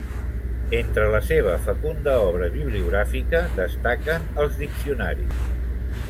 Entre la seva fecunda obra bibliogràfica destaquen els diccionaris.